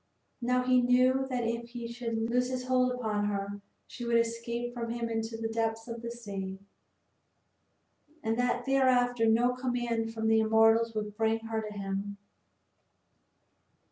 Now he knew that if he should loose his hold upon her she would escape from him into the depths of the sea, and that thereafter no command from the immortals would bring her to him.